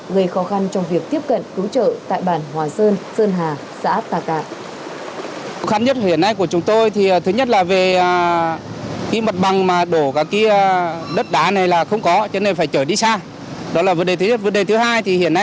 gây khó khăn trong việc tiếp cận cứu trợ tại bản hòa sơn sơn hà xã tà cạ